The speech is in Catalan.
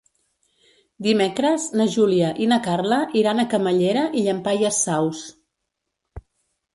Dimecres na Júlia i na Carla iran a Camallera i Llampaies Saus.